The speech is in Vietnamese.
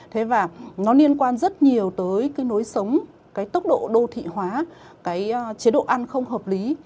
thế và nó liên quan rất nhiều tới cái nối sống cái tốc độ đô thị hóa cái chế độ ăn không hợp lý